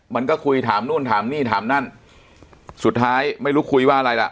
มันก็คุยถามนู่นถามนี่ถามนั่นสุดท้ายไม่รู้คุยว่าอะไรล่ะ